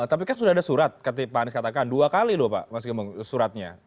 tapi kan sudah ada surat pak anies katakan dua kali loh pak mas gembong suratnya